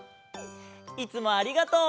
いつもありがとう！